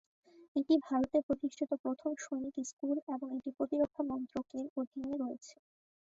এটি ভারতে প্রতিষ্ঠিত প্রথম সৈনিক স্কুল এবং এটি প্রতিরক্ষা মন্ত্রকের অধীনে রয়েছে।